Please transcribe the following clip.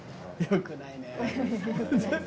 よくないね。